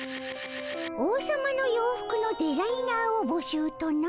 王様の洋服のデザイナーをぼしゅうとな？